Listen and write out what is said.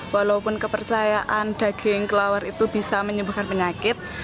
walaupun kepercayaan daging kelelawar itu bisa menyembuhkan penyakit